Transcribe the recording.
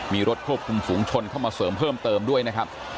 มีรถควบคุมฝูงชนเข้ามาเสริมเพิ่มเติมด้วยนะครับ